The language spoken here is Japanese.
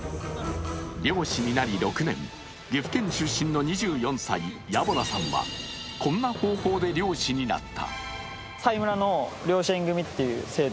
漁師になり６年、岐阜県出身の２４歳、家洞さんはこんな方法で漁師になった。